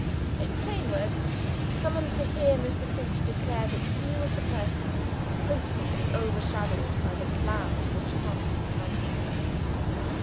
In plain words, summoned to hear Mr. Finch declare that he was the person principally overshadowed by the cloud which hung on the household.